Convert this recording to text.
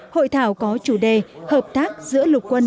hội thảo có chủ đề hợp tác giữa lục quân